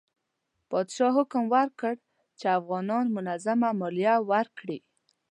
پادشاه حکم وکړ چې افغانان منظمه مالیه ورکړي.